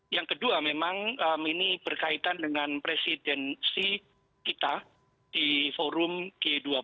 yang kedua memang ini berkaitan dengan presidensi kita di forum g dua puluh